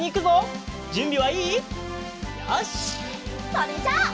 それじゃあ。